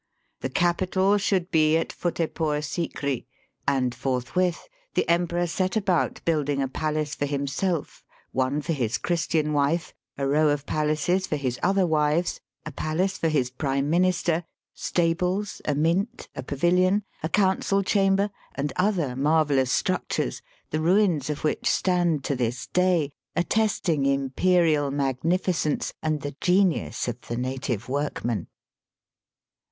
The capital should be at Futtehpore Sikri, and forthwith the Em peror set about building a palace for himself, one for his Christian wife, a row of palaces for his other wives, a palace for his Prime Minister, stables, a mint, a pavilion, a council chamber, and other marvellous structures, the ruins of which stand to this day attesting imperial magnificence and the genius of the native workman.